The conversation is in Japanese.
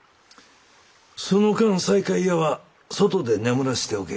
その間西海屋は外で眠らせておけ。